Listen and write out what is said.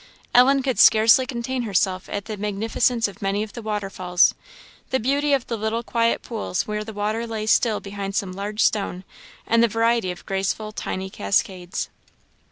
Ellen could scarcely contain herself at the magnificence of many of the waterfalls, the beauty of the little quiet pools where the water lay still behind some large stone, and the variety of graceful tiny cascades.